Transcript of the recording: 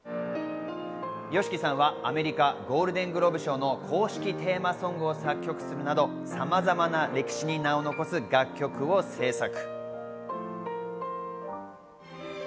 ＹＯＳＨＩＫＩさんはアメリカゴールデングローブ賞の公式テーマソングを作曲するなど、さまざまな歴史に名を残す楽曲を制作。